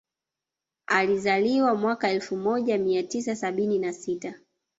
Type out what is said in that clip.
Alizaliwa mwaka elfu moja nia tisa sabini na sita